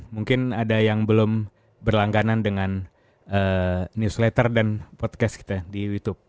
mungkin ada yang belum berlangganan dengan newsletter dan podcast kita di youtube